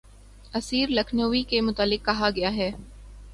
اسیر لکھنوی کے متعلق کہا گیا ہے